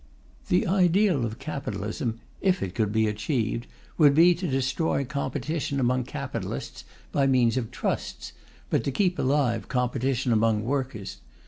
The ideal of capitalism, if it could be achieved, would be to destroy competition among capitalists by means of Trusts, but to keep alive competition among workers.